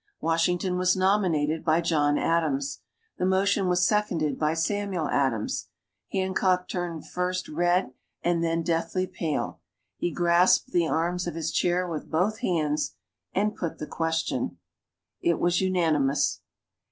Washington was nominated by John Adams. The motion was seconded by Samuel Adams. Hancock turned first red and then deathly pale. He grasped the arms of his chair with both hands, and put the question. It was unanimous.